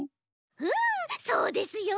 うんそうですよ！